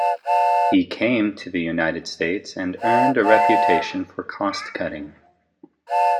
He came to the United States and earned a reputation for cost cutting.